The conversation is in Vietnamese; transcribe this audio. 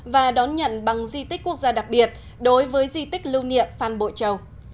và đón nhận bằng di tích quốc gia đặc biệt đối với di tích lưu niệm phan bội châu